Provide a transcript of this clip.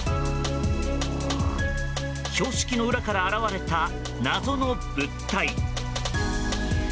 標識の裏から現れた謎の物体。